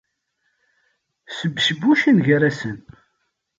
Sbecbucen gar-asen.